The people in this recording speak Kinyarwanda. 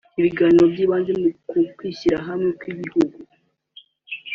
ibiganiro byibanze ku kwishyirahamwe kw’ ibihugu